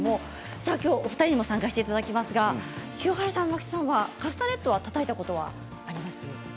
お二人にも参加していただきますけれど清原さん、蒔田さんはカスタネットたたいたことはありますか？